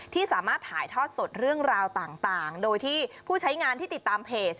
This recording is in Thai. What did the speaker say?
ที่สามารถถ่ายทอดสดเรื่องราวต่างโดยที่ผู้ใช้งานที่ติดตามเพจ